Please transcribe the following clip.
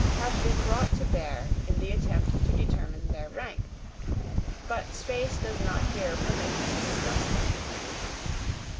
have been brought to bear in the attempt to determine their rank; but space does not here permit me to discuss them.